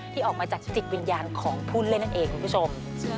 ที่ออกมาจากจิตวิญญาณของผู้เล่นนั่นเองคุณผู้ชม